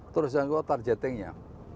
terus jangan lupa targetting nya